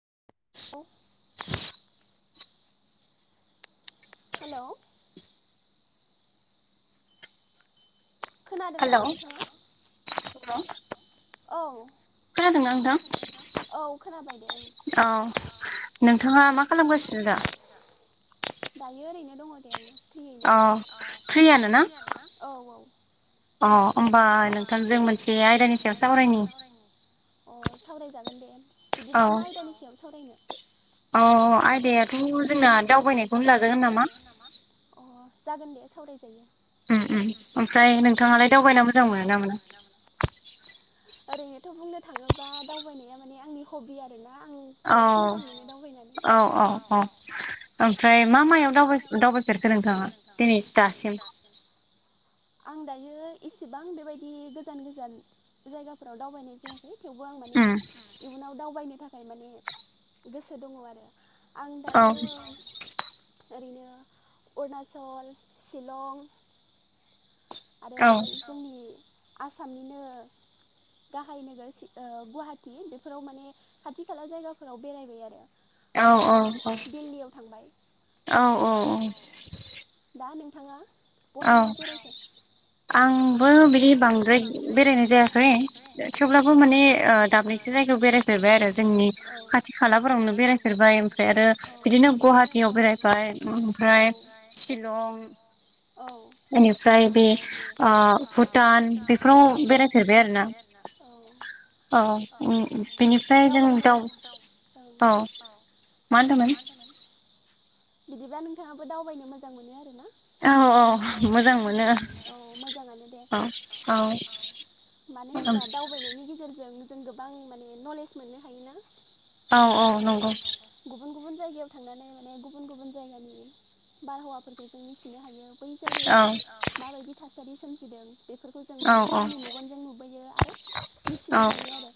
[unintelligible] हेल' hello औ खादों ना नोंथां औ खोनाबाय दे औ नोंथाङा मा खालामगासिनो दा? दायो ओरैनो दङ दे आङो अ फ्रियनो ना? औ औ अ होमबा नोंथांजों मोनसे आयदानि सायाव सावरायनि अ सावरायजागोन दे बिदिब्ला मा आयदानि सायाव सावरायनो? अ आयदायाथ' जोंना दावबायनायखौनो लाजागोन नामा? जागोन दे सावरायजायो उम उम ओमफ्राय नोंथाङालाय दावबायना मोजां मोनो ना मोना? ओरैनोथ' बुंनो थाङोब्ला दावबायनाया माने आंनि हबि आरोना आं औ औ औ औ ओमफ्राय मा मायाव दावबाय दावबायफेरखो नोंथाङा दिनै दासिम? आं दायो एसेबां बेबायदि गोजान गोजान जायगाफोराव दावबायनाय जायाखै। थेवबो आं माने इयुनाव दावबायनो थाखाय माने गोसो दङ आरो आं दायो ओरैनो अरुनााचल, शिलं आरो जोंनि आसामनिनो गाहाय नोगोर गुवाहाटि बेफोराव माने खाथि खाला जायगाफोराव बेरायबाय आरो आरो दिल्लीयाव थांबाय। औ औ औ दा नोंथाङा बहा बहा बेरायखो? आंबो बिदि बांद्राय बेरायनाय जायाखै थेवब्लाबो माने ओ दाबनैसो जायगायाव बेरायफेरबाय आरो जोंनि खाथि खालाफोरावनो बेरायफेरबाय ओमफ्राय आरो बिदिनो गुवाहाटियाव बेरायबाय ओमफ्राय शिलं औ बेनिफ्राय बे ओ भुटान बेफोराव बेरायफेरबाय आरोना। औ बेनिफ्राय जों दाउ औ मा होनदोंमोन? बिदिबा नोंथाङाबो दावबायनो मोजां मोनो आरो ना? औ औ मोजां मोनो औ औ मानो होनोबा दावबायनायनि गेजेरजों जों गोबां माने नलेज मोननो हायोना। औ औ नंगौ गुबुन गुबुन जायगायाव थांनानै माने गुबुन गुबुन जायगानि बारहावाफोरखौ जों मिथिनो हायो। बै जायगायाव माबायदि थासारि सोमजिदों बेफोरखौ जों माने गावनि मेगनजों नुबोयो आरो मिथिनो हायो आरो।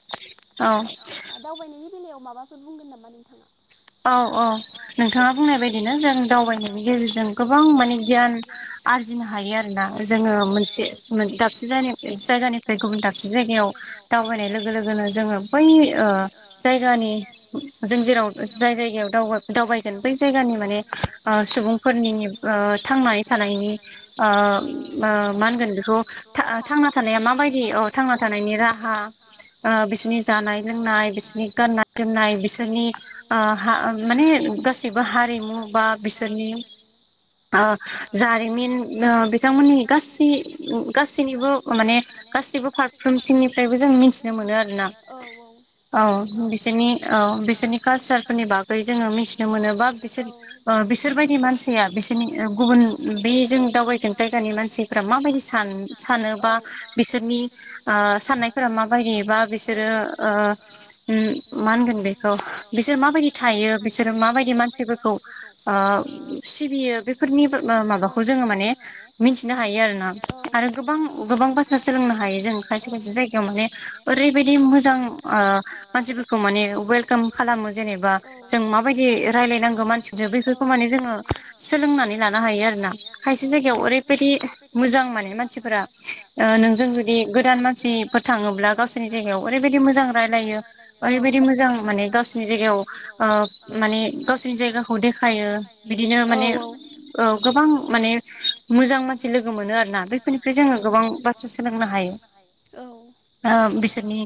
दावबायनायनि बेलायाव माबाफोर बुंगोन नामा नोंथाङा? औ औ नोंथाङा बुंनाय बायदिनो जों दावबायनायनि गेजेरजों गोबां माने गियान आरजिनो हायो आरोना जोङो मोनसे दाबसे जाय जायगानिफ्राय गुबुन दाबसे जायगायाव दावबायनाय लोगो लोगोनो जोङो बै ओ जायगानि जों जेराव जाय जायगायाव दाव दावबायगोन बै जायगानि माने ओ सुबुंफोरनि ओ थांनानै थानायनि ओ ओ मा होनगोन बेखौ थांना थानाया माबायदि थांना थानायनि राहा ओ बिसोरनि जानाय लोंनाय बिसोरनि गाननाय जोमनाय बिसोरनि ओ हा माने गासिबो हारिमु बा बिसोरनि ओ जारिमिन बिथांमोननि गासै गासैनिबो माने गासिबो फारफ्रोमथिंनिफ्रायबो जों मिथिनो मोनो आरोना औ बिसोरनि औ बिसोरनि कालचारफोरनि बागै जोङो मिथि नो मोनो बा बिसोर ओ बिसोरबायदि मानसिया बिसोरनि गुबुन बे जों दावबाय गोन जायगानि मानसिफ्रा माबायदि सान-सानोबा बिसोरनि साननाय फोरा माबायदि बा बिसोरो ओ ओम मा होनगोन बेखौ बिसोर मा बायदि थायो बिसोर माबायदि मानसिफोरखौ ओ सिबियो बेफोरनि माबाखौ जोङो माने मिथिनो हायो आरो ना आरो गोबां गोबां बाथ्रा सोलोंनो हायो जों खायसे खायसे जायगायाव माने ओरैबायदि मोजां आ मानसिफोरखौ माने वेलकाम खालामो जेनेबा जों मा बायदि यै रायलायनांगो मानसिजों बेैफोरखौ मान जोङो सोलोंनानै लानो हायो आरोना खायसे जायगायाव ओरै बायदि मोजां माने मानसिफोरा ओ नोंजों जुदि गोदान मानसि फो थाङोब्ला गावसोरनि जायगायाव ओरैबायदि मोजां रायलायो ओरैबायदि मोजां माने गावसोरनि जायगायाव ओ माने गावसोरनि जायगाखौ देखायो बिदिनो माने औ गोबां माने मोजां मानसि लोगो मोनो आरोना बेफोरनिफ्राय जोङो गोबां बाथ्रा सोलोंनो हायो। आ बिसोरनि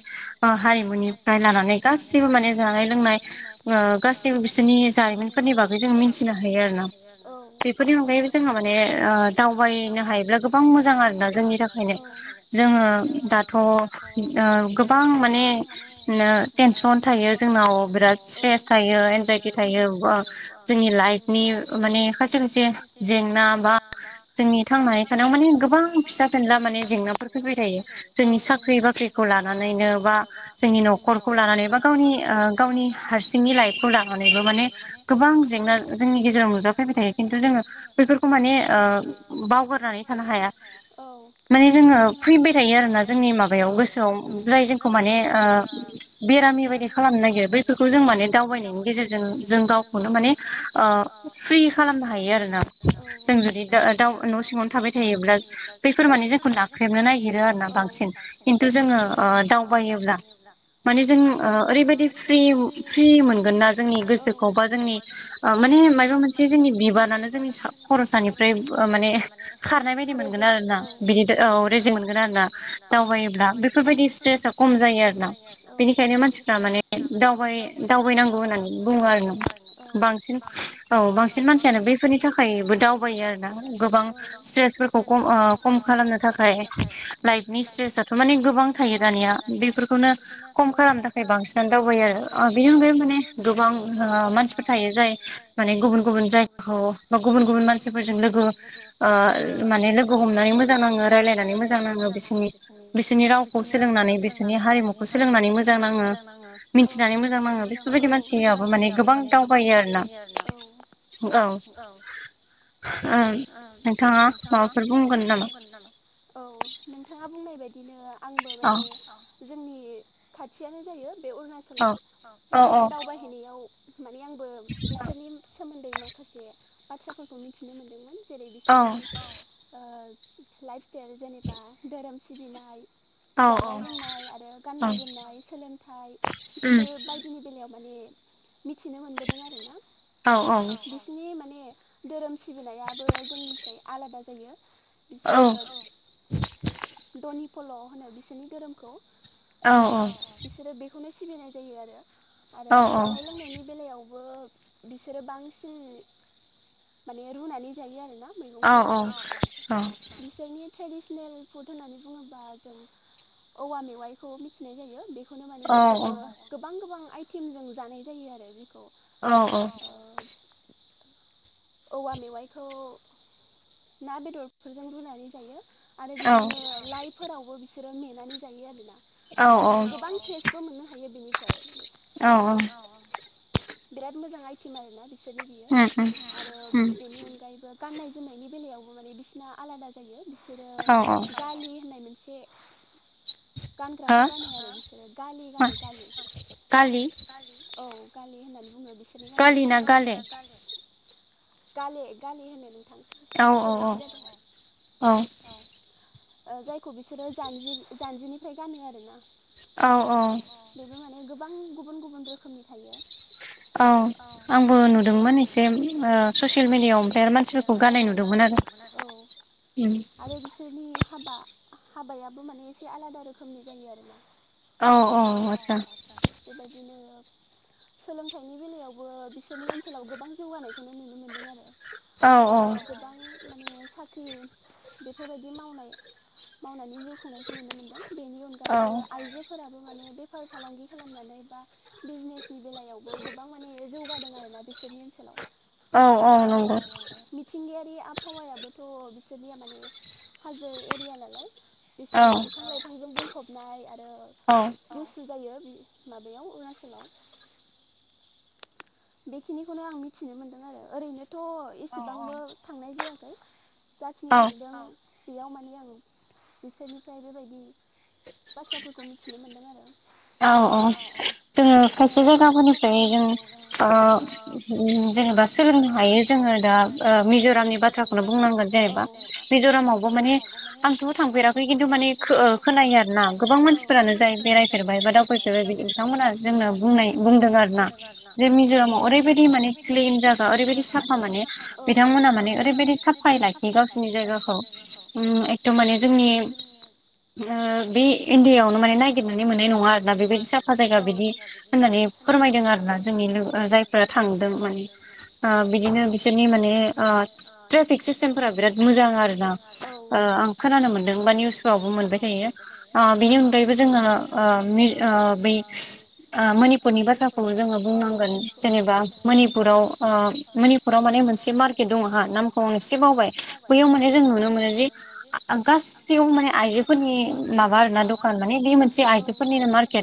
ओ हारिमुनिफ्राय लानानै गाैबो माने जानाय लोंनाय ओ गासैबो बिसिनि जारिमिनफोरनि बागै जों मिथिनो हायो आरोना। बेफोरनि अनगायैबो जोङो माने ओ दावबायनो हायोब्ला गोबां मोजां आरोना जोंनि थाखायनो। जोङो दाथ' ओ गोबां माने नो टेनसन थायो जोंनाव बिराद औ। यो एजाइटि थायो बा जोंनि लाइफनि माने खायसे खायसे जेंना बा जोंनि थांनानै थानायाव माने गोबां फिसा फेनला माने जेंनाफोर फैबाय थायो जोंनि साख्रि बाख्रि खौ लानानैनो बा जोंनि न'खरखौ लानानै बा गावनि ओ गावनि हारसिंनि लाइ खौ लानैबो माने गोबां जेंना जोंनि गेजेराव नुजाफैबाय थायो खिन्थु जोङो [unintelligible] औ। जोङो फैबाय थायो आरोना जोंनि माबायाव गोसोआव जाय जोंखौ माने ओ बेरामि बायदि खालामनो नागिर बैफोरखौ जों माने दावबाय नायनि गेजेरजों जों गावखौनो माने ़ फ्रि खालामनो हायो आरो ना। जों जुदि दा-दाउ न' सिङावनो थाबाय थायोब्ला बैफोर माने जोंखौ नाख्रेबनो नागिरो आरोना बांसिन। बांसिन खिन्थु जोङो ओ दावबायोब्ला माने जों ओ ओरैबायाददि फ्रि फ्रि मोनगोन ना जोंनि गोसोखौ बा जोंनि ओ माने मायाबा मोनसे जोंनि बिबानानो जोंनि सा खर'सानिफ्राय माने खारनाय बायदि मोनगोन आरो ना बिदि औ रेजें मोनगोन आरो ना। दावबायोब्ला बेफोरबायदि स्ट्रेसा खम जायो आरोना बेनिखायनो मानसिफ्रा माने दावबाय दावबाय नांगौ होननानै बुङो आरो ना। बांसिन औ बांसिन मानसियानो बैफोरनि थाखायबो दावबायो आरोना गोबां स्ट्रेसफोरखौ खम ओ खम खालामनो थाखाय लाइफनि स्ट्रेसथ' मानि गोबां थायो दानिया बेफोरखौनो खम खालामनो थाखाय बांसि नानो दावबाय आरो। आ बिनि अनगायै माने गोबां आ मानसिफोर थायो जाय माने गुबुन गुबुन जायगाखौ बा गुबुन गुबुन मानसिफोरजों लोगो ओ माने लोगो हमनानै मोजां नाङो रायजलायनानै मोजां नाङो बिसोरनि बिसोरनि रावखौ सोलोंनानै बिसोरनि हारिमुखौ सोलोंनानै मोजां नाङो। मिथिनानै मोजां नाङो बे फोरबायदि मानसियाबो माने गोबां दावबायो आरो ना। औ। ओ नोंथाङा माबाफोर बुंगोन नामा? औ। नोंथाङा बुंनाय बायदिनो आंबो माने जोंनि खाथियानो जायो बे अरुणाचला बेयाव दावबायहैनायाव माने आंबो बिसोरनि सोमोन्दै माखासे बाथ्राफोरखौ मिथिनो मोन्दों जेरै बिसोरनि [unintelligible] ओ लाइफ स्टाइल जेनेबा धोरोम सिबिनाय जानाय लोंनाय औ आरो गाननाय जोमनाय सोलोंथाइ बेफोर जायदिनि बेलायाव माने मिथिनो मोनबोदों आरो ना औ औ सिनि माने धोरोम सिबिनाया बो जोंनिफ्राय आलादा जायो बिसोरो औ धनि पल' होनो बिसोरनि धोरोमखौ माने [unintelligible] बिसोरो बेखौनो सिबिनाय जायो आरो आरो जानाय लोंनायनि बेलायावबो बिसोरो बांसिन माने रुनानै जायो आरोना मैगंफोरखौ बिसोरनि ट्रेडिसनेल फुड होननानै बुङोबा जों औवा मेवाइखौ मिथिनाय जायो बेख बेखौनो माने बिसोरो गोबां गोबां आइटेमजों जानाय जायो आरो बेखौ। औ औ औवा मेवाइखौ ना बेदरफोरजों रुनानै जायो। आरो बिदिनो लाइफोरावबो बिसोरो नेनानै जायो आरोना माने गोबां टेस्ट थ मोननो हायो बेनिफ्राय औ औ औ ओं बिराद मोजां आइटेम आरोना बिसोरनि बियो उम उम। आरो बेनि अनगायैबो गाननाय जोमनायनि बेलायावबो माने बिसिना आलादा जायो। बिसोरो गालि होननाय मोनसे गानग्राखौ गानो आरो नोंसोरो गालि गानो गालि गाले औ गाले होननानै बुङो बिसोरनि गाननायखौ गालि ना गाले? गाले गाले होनो नोंथां। औ औ औ ओ जायखौ बिसोरो जानजि जानजिनिफ्राय गानो आरोना औ औ बेबो माने गोबां गुबुन गुबुन रोखोमनि थायो। औ आंबो नुदोंमोन एसेम ओ ससियेल मिडियाआव ओमफ्राय मानसिफोरखौ गान नुदोंमोन आरो उम आरो बिसोरनि हाबा हाबायाबो माने एसे आलादा रोखोमनि जायो आरो ना। औ औ आस्सा बेबायदिनो सोलोंथाइनि बेलायावबो बिसोरनि ओनसोलाव गोबां जौगानाय खौनो नुनो मोनदों आरो आरो गोबां माने साख्रि बेफोरबायदि मावनाय मावनानै जिउ खुंनायखौ नुनो मोन्दों। बेनि अनगायैबो आइजोफोराबो माने बेफार फालांगि खालामनानै बा बिजनेसनि बेलायावबो गोबां माने जौगादों आरोना बिसोरनि ओनसोलाव। औ औ नंगौ। मिथिंगायारि आबहावायाबोथ बिसोरनिया माने हाजो एरिया नालाय बिसोरनिया बिफां लाइफांजों बुंफबनाय आरो औ। गुसु जायो बे माबायाव अरुणाचलाव बेखिनिखौनो आं मिथिनो मोनदों। ओ ओरैनोथ एसेबांबो थांनाय--जायाखै जा खिनि थांदों बेयाव बाथ्राफोरखौ मिथिनो मोन्दों आरो औ अ जोङो खायसे जायगाफोरनिफ्राय जों अ उ-उम जेनेबा सोलोंनो हायो जोङो दा ओ मिजरामनि बाथ्राखौनो बुंनांगोन जेनेबा मिजरामावबो माने आंथबो थांफेराखै खिन्थु माने खो-खोनायो आरो ना गोबां मानसि फोरानो जाय बेरायफेरबाय बार दावबायफेरबाय बिथांमोना जोंनो बुंनाय-बुंदों आरोना जे मिज'रामाव ओरैबायदि माने क्लिन जागा ओरैबायददि साफा माने बिथांमोनहा माने ओरैबायददि साफायै लाखियो गावसोरनि जायगाखौ। उम एकदम माने जोंनि बे इण्डियायावनो माने नायगिरनानै मोननाय नङा ना बेबायदि साफा जायगा बिदि होननानै फोरमायदों आरोना जोंनि लोगो ओ जायफोरा थांदों माने। ओ बिदिनो बिसोरनि माने ओ ट्रेफिक सिस्टेम फोरा बिराद मोजां आरोना ओ आं खोनानो मोनदों बा निउसफोरावबो मोनबाय थायो आ बिनि अनगायैबो जोङो ओ मिज ओ बै ओ मोनिपुरनि बाथ्राखौ जोङो बुंनांगोन जेनेबा मोनिपुराव आव आ मनिपुराव माने मोनसे मार्केट दङ हा नामखौ आं एसे बावबाय बैयाव माने जों नुनो मोनो जे आ गासैयाव माने आइजोफोरनि माबा आरोना दखान माने बे मोनसे आइजोफोरनिनो मर्के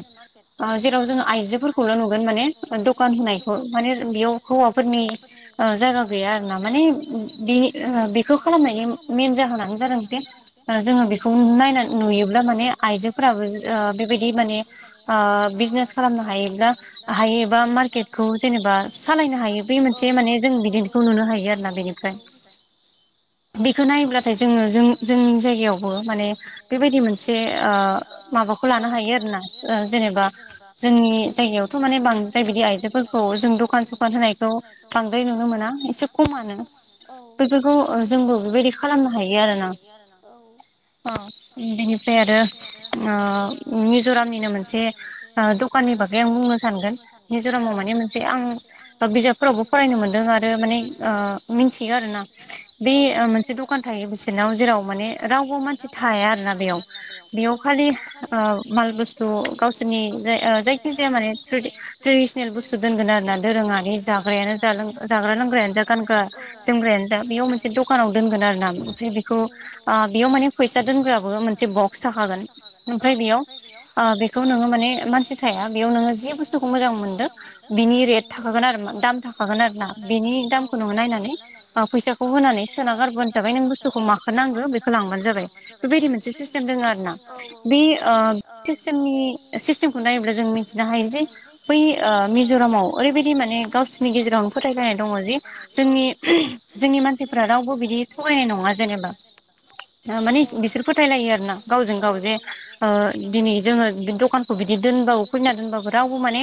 ओ जेराव जों आइजोफोरखौनो नुगोन माने दखान होनायखौ माने बेआवखौ हौवाफोरनि ओ जायगा गैया आरोना माने बे ओ बेखौ खालामनायनि मेेन जाहोनानो जादों। जे ओ जोङो बेखौ नायना नुयोब्ला माने आइजोफोराबो ओ बेबायदि माने आ बिजनेस खालामनो हायोब्ला हायो एबा मार्केटखौ जेनेबा सालायनो हा हायो बे मोनसे माने जों बिदिखौ नुनो हायो आरोना बेनिफ्राय। बेखौ नायोब्लाथाय जोङो जों जोंनि जायगायावबो माने बेबायदि मोनसे माबाख खौ लानो हायो आरोना। जेनेबा जोंनि जायगायावथ' माने बांद्राय बिदि आइजोफोरखौ जों दखान सखान होनाय मान होनायखौ बांद्राय नुनो मोना एसे खमानो औ। बेफोरखौ जोंबो बेबायदि खालामनो हायो आरो ना। अ। उम बेनिफ्राय आरो ओ मिज'रामनि नो मोनसे ओ दखाननि बागै आं बुंनो सानगोन मिज'रामाव माने मोनसे आं बिजाबफोरावबो फरायनो मोनदों आरो माने आ मिथियो आरो ना बे मोनसे दखान थायो बिसोरनाव जेराव माने रावबो मानसि थाया आरोना बेयाव। बेयाव खालि आ माल बुस तु' गावसोरनि जाय ओ जायखि जाया माने ट्रेडि-ट्रेडिसनेल बुस्थु दोनगोन आरो ना दोरोङारि जा ग्रायानो जा लों-जाग्रा लोंग्रायानो जा गानग्रा जोमग्रायानो जा बेयाव मोनसे दखानाव दोनगोन आरोना इमफ्राय बे खौ आ बेयाव माने फैसा दोनग्राबो मोनसे ब मोनसे बक्स जफागोन औ ओमफ्राय बेयाव आ बेखौ नोङो माने मानसि थाया बेयाव नोङो जि बुस्थुखौ मोजां मोनदों बिनि रेट थाखागोन आरो दाम थाखा गोन आरो ना बेनि दामखौ नोङो नायनानै फैसाखौ होनानै सोना गारबानो जाबाय नों बुस्थुखौ मा खो नांगौ बेखो लांबानो जाबाय बेबायदि मोनसे सिस्टेम दोङो आरोना बे ओ सेमनि सिष्तेमखौ नायोब्ला जों मिथिनो हायो जे बै ओ मिज'रामाव ओरैबादि माने गावसि नि गेजेरावनो फोथायलायनाय दङ जि जोंनि जोंनि मानसिफोरा रावबो बिदि थगायनाय नङा जेनेबा माने बिस-बिसोर फोथायलायो आरोना। गावजों गाव जे ओ दिनै जोङो दखानखौ बिदि दोनबाबो खुलिना दोनबाबो रावबो माने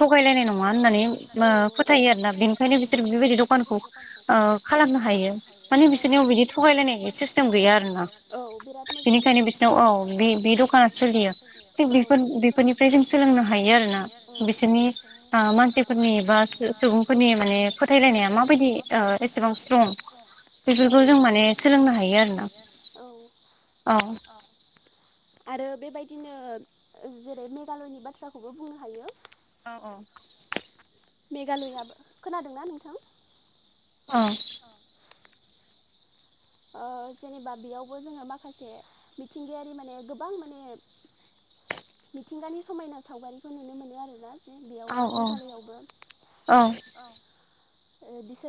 थगायलायनाय नङा होननानै। बा फोथायो आरोना बिनिखायनो बिसोर बेबायदि दखानखौ ओ खालामनो हायो। माने बिसोरनियाव बिदि थगायलायनाय सिस्टेम गैया आरोना। औ बिराद मोजां मोनो। औ औ बि-बि र फाना सोलियो थिग बेफोर-बेफोरनिफ्राय जों सोलोंनो हायो आरोना बिसोरनि आ मानसिफोरनि एबा सो-सुबुंफोरनि माने फोथायलायनाया माबायदि ओ एसेबां स्ट्रं? बेफोरखौ जों माने सोलोंनो हायो आरोना औ। अ। आरो बेबायदिनो जेरै मेघालयनि बाथ्राखौबो बुंनो हायो। औ अ। मेघालयाबो खोनादोंना नोंथां? अ। ओ जेनेबा बेयावबो जोङो माखासे मिथिंगायारि माने गोबां माने मिथिंगानि समायना सावगारिखौ नुनो मोनो आरोना? बेयावबो मेघालयआवबो बिस